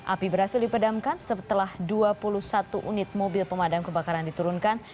api berhasil dipedamkan setelah dua puluh satu unit mobil pemadam kebakaran diturunkan